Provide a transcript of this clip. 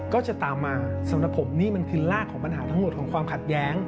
ก็จะตามมาสำหรับผมนี่มันคือรากของปัญหาทั้งหมดของความขัดแย้ง